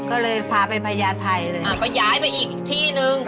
อืมอืมอืม